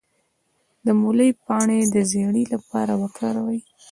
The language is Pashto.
د مولی پاڼې د زیړي لپاره وکاروئ